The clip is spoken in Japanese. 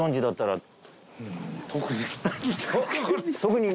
だったら。